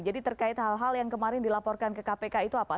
jadi terkait hal hal yang kemarin dilaporkan ke kpk itu apa